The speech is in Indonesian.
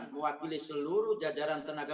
mewakili seluruh jajaran tenaga